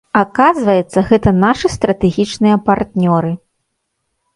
Аказваецца, гэта нашы стратэгічныя партнёры.